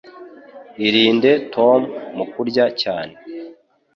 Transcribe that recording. Irinde Tom kurya cyane.